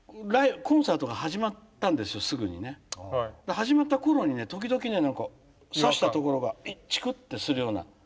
始まった頃にね時々ね何か刺したところがチクッてするような。